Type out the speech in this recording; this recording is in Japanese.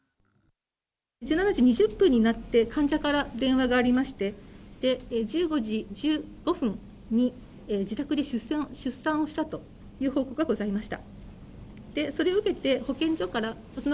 １７時２０分になって患者から電話がありまして、１７時１５分に自宅で出産をしたという報告がございました。